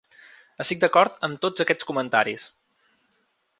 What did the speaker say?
Estic d’acord amb tots aquests comentaris.